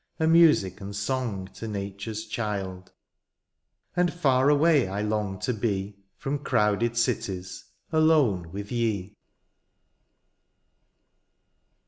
Are music and song to nature's child ; And fiar away I long to be. From crowded cities, alone with ye